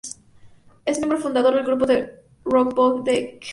Es miembro fundador del grupo de rock Vox Dei.